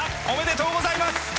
おめでとうございます！